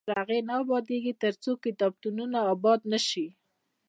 افغانستان تر هغو نه ابادیږي، ترڅو کتابتونونه اباد نشي.